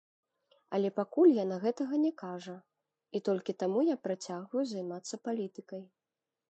Але пакуль яна гэтага не кажа, і толькі таму я працягваю займацца палітыкай.